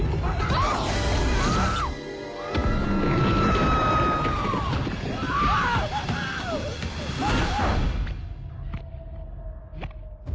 ああ！